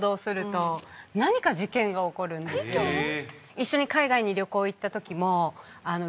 一緒に海外に旅行行ったときも。